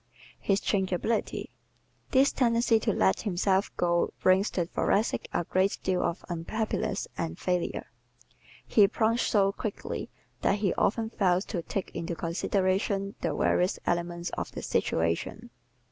His Changeability ¶ This tendency to let himself go brings the Thoracic a great deal of unhappiness and failure. He plunges so quickly that he often fails to take into consideration the various elements of the situation.